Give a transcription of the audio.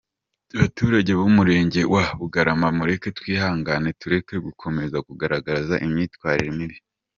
Baturage b’Umurenge wa Bugarama mureke twihangane tureke gukomeza kugaragaza imyitwarire mibi.